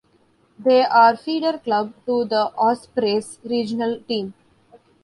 They are feeder club to the Ospreys regional team.